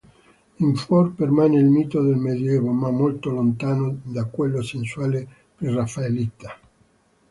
In Ford permane il mito del medioevo, ma molto lontano da quello sensuale preraffaellita.